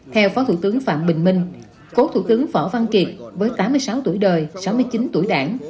theo phó thủ tướng phạm bình minh cố thủ tướng võ văn kiệt với tám mươi sáu tuổi đời sáu mươi chín tuổi đảng